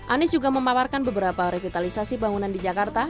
anies juga memaparkan beberapa revitalisasi bangunan di jakarta